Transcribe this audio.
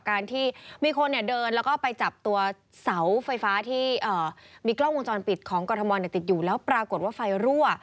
การที่มีคนเดินแล้วก็ไปจับตัวเสาไฟฟ้าที่มีกล้องวงจรปิดของกรทมติดอยู่แล้วปรากฏว่าไฟรั่ว